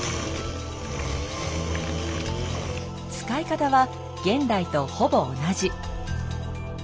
使い方は現代とほぼ同じ。